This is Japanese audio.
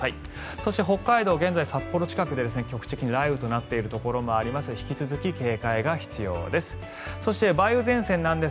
そして、北海道は現在札幌近くで局地的に雷雨となっているところもありますので引き続き警戒が必要です。